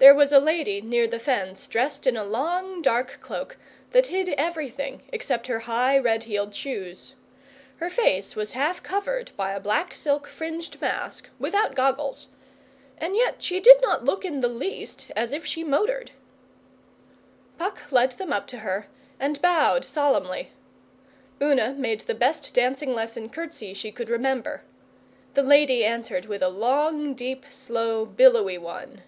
There was a lady near the fence dressed in a long dark cloak that hid everything except her high red heeled shoes. Her face was half covered by a black silk fringed mask, without goggles. And yet she did not look in the least as if she motored. Puck led them up to her and bowed solemnly. Una made the best dancing lesson curtsy she could remember. The lady answered with a long, deep, slow, billowy one.